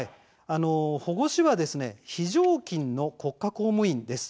保護司は非常勤の国家公務員です。